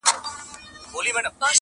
نه خبره نه کیسه ترې هېرېدله!.